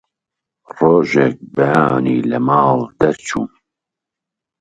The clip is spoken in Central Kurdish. ڕۆژێک بەیانی لە ماڵ دەرچووم